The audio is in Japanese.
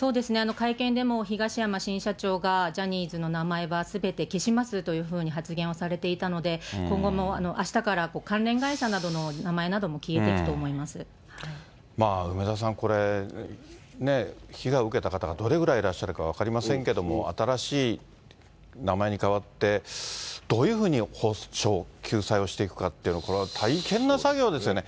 会見でも、東山新社長がジャニーズの名前はすべて消しますというふうに発言をされていたので、今後もあしたから関連会社などの名前なども消えて梅沢さん、これ、被害を受けた方がどれぐらいいらっしゃるか分かりませんけども、新しい名前に変わって、どういうふうに補償、救済をしていくかって、これは大変な作業ですよね。